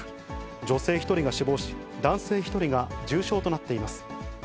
女性１人が死亡し、男性１人が重傷となっています。